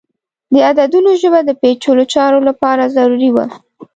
د عددونو ژبه د پیچلو چارو لپاره ضروری وه.